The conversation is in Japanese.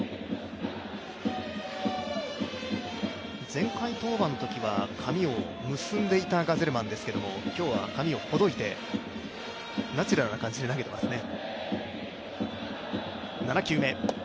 前回登板のときは髪を結んでいたガゼルマンですけれども、今日は髪をほどいてナチュラルな感じで投げてますね。